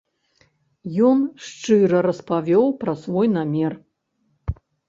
Ён шчыра распавёў пра свой намер.